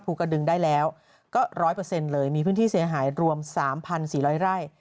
ภูกระดึงได้แล้วก็ร้อยเปอร์เซ็นต์เลยมีพื้นที่เสียหายรวม๓๔๐๐ไร่